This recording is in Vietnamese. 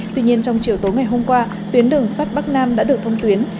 tuy nhiên trong chiều tối ngày hôm qua tuyến đường sắt bắc nam đã được thông tuyến